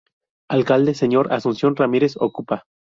Alcalde: Sr. Asunción Ramírez Ocupa.